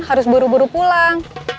harus buru buru pulang